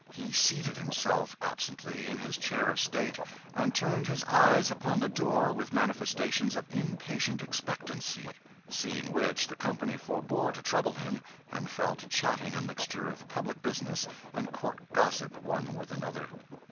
He seated himself absently in his chair of state, and turned his eyes upon the door with manifestations of impatient expectancy; seeing which, the company forbore to trouble him, and fell to chatting a mixture of public business and court gossip one with another.